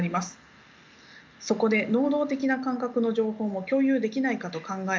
そこで能動的な感覚の情報も共有できないかと考え